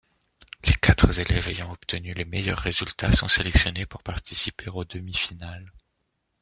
Les quatre élèves ayant obtenu les meilleurs résultats sont sélectionnés pour participer aux demi-finales.